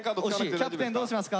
キャプテンどうしますか？